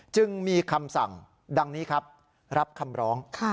จึงมีคำสั่งดังนี้ครับรับคำร้อง